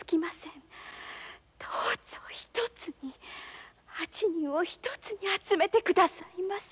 どうぞ一つに八人を一つに集めて下さいませ。